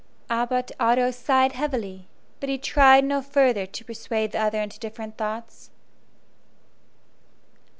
Abbot Otto sighed heavily, but he tried no further to persuade the other into different thoughts.